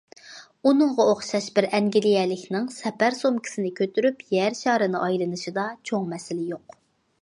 ئۇنىڭغا ئوخشاش بىر ئەنگلىيەلىكنىڭ سەپەر سومكىسىنى كۆتۈرۈپ يەر شارىنى ئايلىنىشىدا چوڭ مەسىلە يوق.